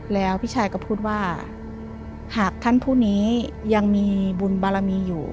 แล้วพี่ชายก็พูดว่าหากท่านผู้นี้ยังมีบุญบารมีอยู่